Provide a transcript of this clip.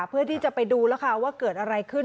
เพื่อที่จะไปดูแล้วค่ะว่าเกิดอะไรขึ้น